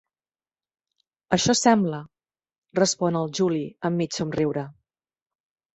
Això sembla —respon el Juli amb mig somriure.